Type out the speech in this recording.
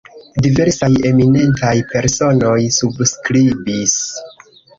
Diversaj eminentaj personoj subskribis.